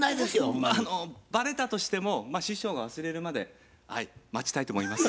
まあバレたとしても師匠が忘れるまで待ちたいと思います。